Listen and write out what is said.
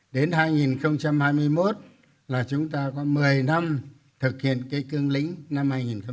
đến hai nghìn hai mươi một là chúng ta có một mươi năm thực hiện cái cương lĩnh năm hai nghìn một mươi một